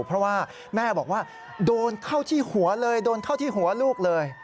เพราะว่าแม่บอกว่าโดนเข้าที่หัวเลยโดนเข้าที่หัวลูกเลย